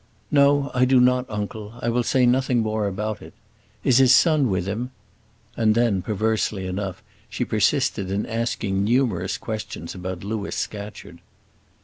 "No, I do not, uncle. I will say nothing more about it. Is his son with him?" And then, perversely enough, she persisted in asking numerous questions about Louis Scatcherd.